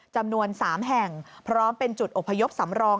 จำนวน๓แห่งพร้อมเป็นจุดอพยพสำรอง